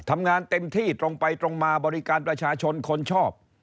ทำงานเต็มที่ตรงไปตรงมาบริการประชาชนคนชอบ